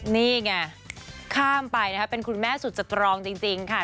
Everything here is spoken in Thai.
นี่ไงข้ามไปนะคะเป็นคุณแม่สุดสตรองจริงค่ะ